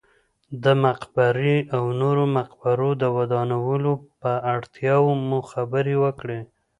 د مقبرې او نورو مقبرو د ودانولو پر اړتیا مو خبرې وکړې.